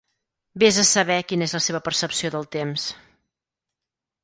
Ves a saber quina és la seva percepció del temps!